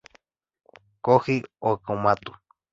Koji Okamoto